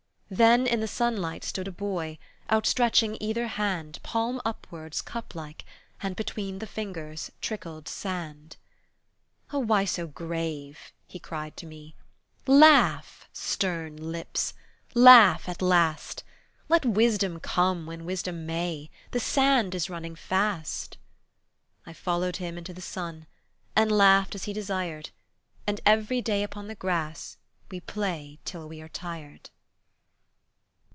Then in the sunlight stood a boy, Outstretching either hand, Palm upwards, cup like, and between The fingers trickled sand. "Oh, why so grave" he cried to me, "Laugh, stern lips, laugh at last! Let wisdom come when wisdom may. The sand is running fast." I followed him into the sun, And laughed as he desired, And every day upon the grass We play till we are tired.